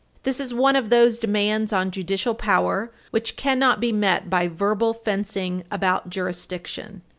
This is one of those demands on judicial power which cannot be met by verbal fencing about "jurisdiction."